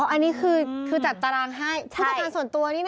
อันนี้คือจัดตารางให้ผู้จัดการส่วนตัวนี่นะ